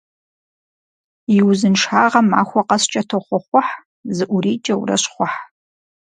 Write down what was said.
И узыншагъэм махуэ къэскӀэ тохъуэхъухь, зыӀурикӀэурэ щхъухь.